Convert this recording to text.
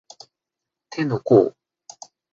手の甲